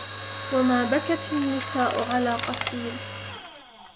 وما بكت النساء على قتيل